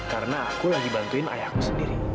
karena aku lagi bantuin ayahku sendiri